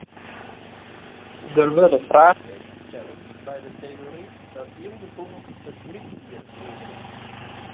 Der wurde fraachtekens set by de teory dat wylde fûgels it grypfirus oerbringe.